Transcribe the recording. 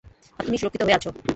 আর তুমিই সুরক্ষিত হয়ে আছো।